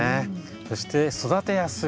そして育てやすい。